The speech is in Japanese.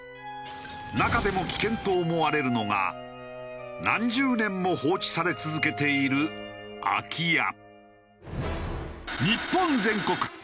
中でも危険と思われるのが何十年も放置され続けている空き家。